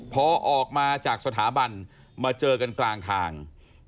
พอออกมาจากสถาบันมาเจอกันกลางทาง